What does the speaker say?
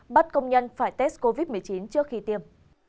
bắt công nhân phải test covid một mươi chín trước khi tiêm